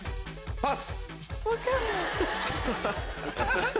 パス。